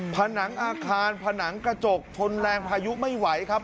ผนังอาคารผนังกระจกทนแรงพายุไม่ไหวครับ